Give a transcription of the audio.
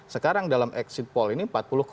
sekarang dalam exit poll ini empat puluh tiga